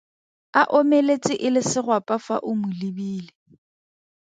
A omeletse e le segwapa fa o mo lebile.